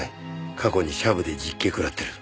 過去にシャブで実刑くらってる。